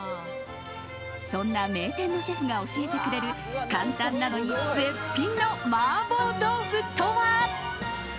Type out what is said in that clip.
そんな名店のシェフが教えてくれる簡単なのに絶品の麻婆豆腐とは。